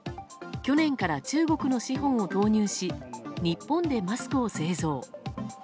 去年から中国の資本を導入し日本でマスクを製造。